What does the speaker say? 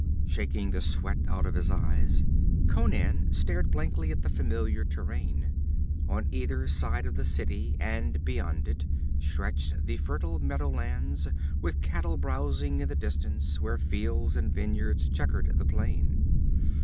Shaking the sweat out of his eyes, Conan stared blankly at the familiar terrain. On either side of the city, and beyond it, stretched the fertile meadowlands, with cattle browsing in the distance where fields and vineyards checkered the plain.